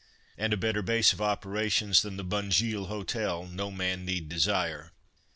And a better base of operations than the Bunjil Hotel, no man need desire.